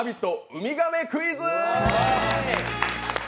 ウミガメクイズ」